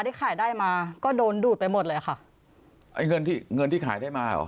ที่ขายได้มาก็โดนดูดไปหมดเลยค่ะไอ้เงินที่เงินที่ขายได้มาเหรอ